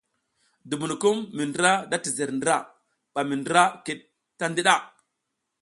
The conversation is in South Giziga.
Dubunukum mi ndra da tizer ndra ɓa mi ndra kiɗ ta ndiɗa.